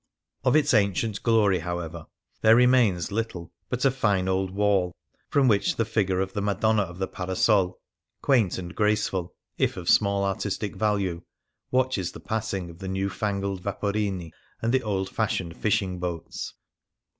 Of its ancient glory, however, there remains little but a fine old wall, from which the figure of the " Madonna of the Parasol," quaint and graceful, if of small artistic value, watches the passing of the new fangled vapoiifii and the old fashioned fishing boats.